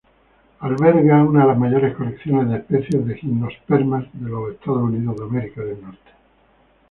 Alberga una de las mayores colecciones de especies de gimnospermas de los Estados Unidos.